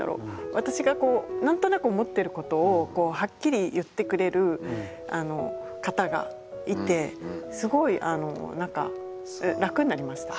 私がこう何となく思ってることをこうはっきり言ってくれる方がいてすごいあの何か楽になりました。